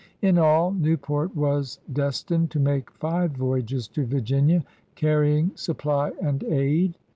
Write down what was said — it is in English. In all, Newport was destined to make five voyages to Virginia, carry ing supply and aid.